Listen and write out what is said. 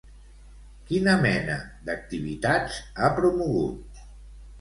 Quina mena d'activitats ha promogut?